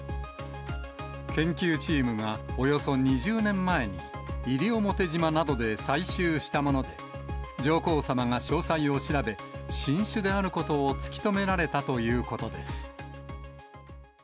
研究チームがおよそ２０年前に西表島などで採集したもので、上皇さまが詳細を調べ、新種であることを突き止められたということです。